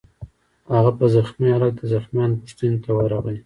هغه په زخمي خالت کې د زخمیانو پوښتنې ته ورغی